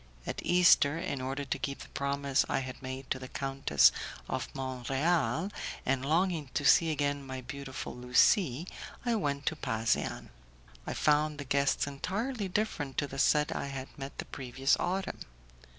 At Easter, in order to keep the promise I had made to the Countess of Mont Real, and longing to see again my beautiful Lucie, I went to Pasean. I found the guests entirely different to the set I had met the previous autumn.